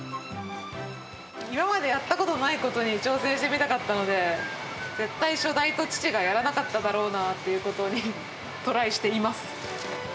今までやったことのないことに挑戦してみたかったので、絶対、初代と父がやらなかっただろうなということにトライしています。